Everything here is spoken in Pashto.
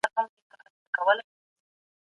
انسان یوازې فشار ډېر احساسوي.